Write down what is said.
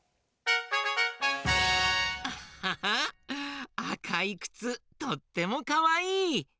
アハハあかいくつとってもかわいい。